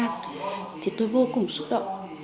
thì tôi vô cùng xúc động